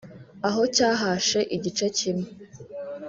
aho cyahashe igice kimwe